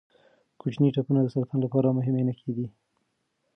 کوچني ټپونه د سرطان لپاره مهم نښې دي.